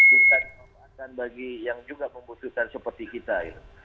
kemudian juga membutuhkan bagi yang juga membutuhkan seperti kita